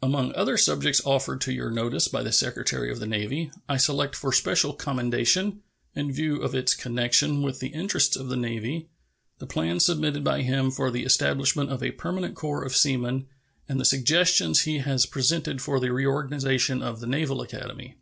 Among other subjects offered to your notice by the Secretary of the Navy, I select for special commendation, in view of its connection with the interests of the Navy, the plan submitted by him for the establishment of a permanent corps of seamen and the suggestions he has presented for the reorganization of the Naval Academy.